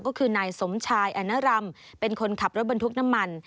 ก็คือนายสมชายอนรำเป็นคนขับรถบรรทุกน้ำมัน